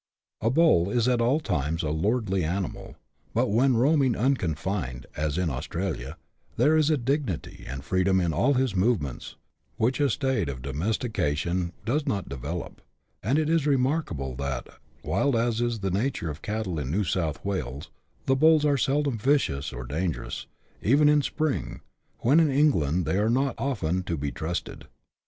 A bull is at all times a lordly animal ; but when roaming un confined, as in Australia, there is a dignity and freedom in all his movements which a state of domestication does not develop, and it is remarkable that, wild as is the nature of cattle in New South Wales, the bulls are seldom vicious or dangerous, even in spring, when in England they are not often to be trusted.